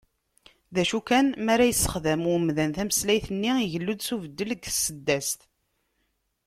D acu kan, mi ara yesexdam umdan tameslayt-nni, igellu-d s ubeddel deg tseddast.